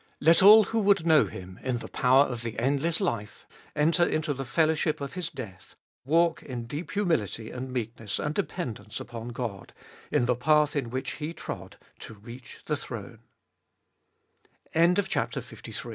Let all who would know Him in the power of the endless life enter into the fellowship of His death, walk in deep humility and meekness and dependence upon Qod, In the path In which He trod to r